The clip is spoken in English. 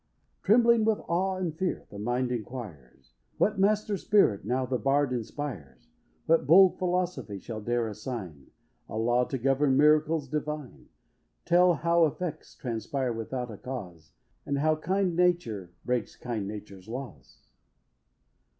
Trembling with awe and fear, the mind inquires "What master spirit, now, the bard inspires; What bold philosophy shall dare assign A law to govern miracles divine Tell how effects transpire without a cause, And how kind nature breaks kind nature's laws?"